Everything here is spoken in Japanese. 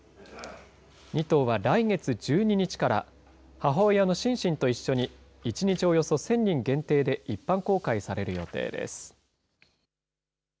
２頭は来月１２日から、母親のシンシンと一緒に、１日およそ１０００人限定で一般公開される予定です。